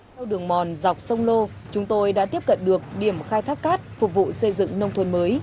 theo đường mòn dọc sông lô chúng tôi đã tiếp cận được điểm khai thác cát phục vụ xây dựng nông thôn mới